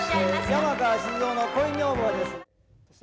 山川静夫の恋女房です。